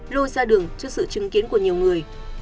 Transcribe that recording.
lôi ra đường trước sự chứng kiến của nhiều người